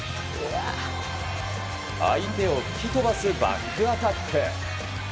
相手を吹き飛ばすバックアタック。